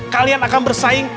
kalian akan bersaing